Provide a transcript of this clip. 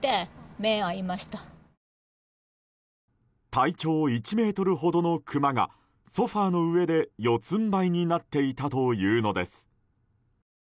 体長１ｍほどのクマがソファの上で四つんばいになっていたというのです。